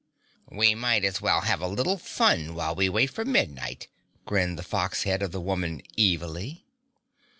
"We might as well have a little fun while we wait for midnight," grinned the fox head of the woman evilly.